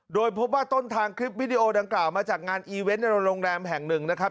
โดยพบว่าต้นทางคลิปวิดีโอดังกล่าวมาจากงานแห่งหนึ่งนะครับ